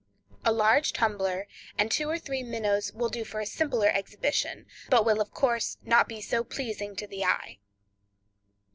A large tumbler and two or three minnows will do for a simpler exhibition, but will, of course, not be so pleasing to the eye.